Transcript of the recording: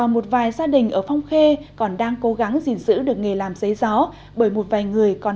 một vài gia đình ở phong khê còn đang cố gắng gìn giữ được nghề làm giấy gió bởi một vài người còn